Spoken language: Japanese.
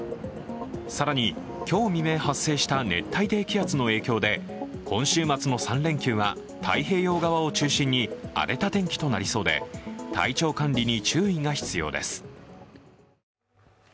更に、今日未明発生した熱帯低気圧の影響で今週末の３連休は太平洋側を中心に荒れた天気となりそうで体調管理に注意が必要です。